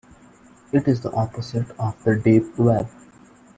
It is the opposite of the deep web.